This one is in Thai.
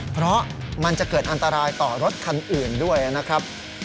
เพราะมันจะเกิดอันตรายต่อรถคันอื่นด้วยนะครับ